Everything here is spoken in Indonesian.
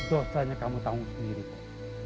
dosanya kamu tanggung sendiri pak